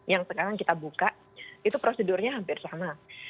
yang sekarang kita buka itu prosedurnya hampir sama